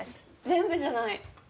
全部じゃない。